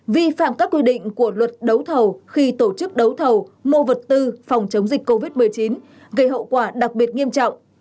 vi phạm các quy định của luật đấu thầu khi tổ chức đấu thầu mua vật tư phòng chống dịch covid một mươi chín gây hậu quả đặc biệt nghiêm trọng